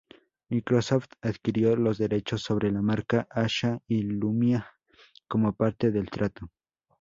Microsoft adquirió los derechos sobre la marca Asha y Lumia como parte del trato.